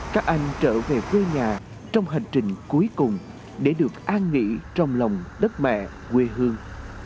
các anh trở về quê nhà trong hành trình cuối cùng để được an nghỉ trong lòng đất mẹ quê hương